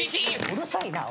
うるさいな！